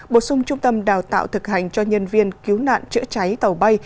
bổ sung trung tâm đào tạo thực hành cho nhân viên cứu nạn chữa cháy tàu bay